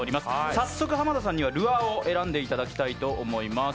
早速、濱田さんにはルアーを選んでいただきたいと思います。